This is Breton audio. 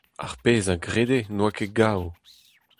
Ar pezh a grede n'oa ket gaou.